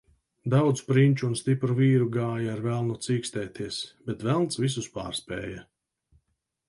Daudz prinču un stipru vīru gāja ar velnu cīkstēties, bet velns visus pārspēja.